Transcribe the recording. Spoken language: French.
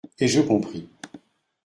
Et je compris.